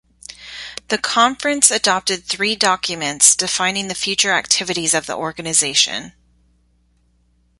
The conference adopted three documents defining the future activities of the organization.